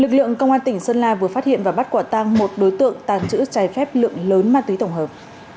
lực lượng công an tỉnh sơn la vừa phát hiện và bắt quả tăng một đối tượng tàng trữ trái phép lượng lớn ma túy tổng hợp